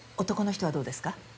男の人はどうですか？